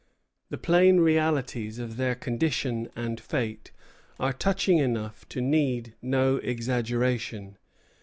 The plain realities of their condition and fate are touching enough to need no exaggeration.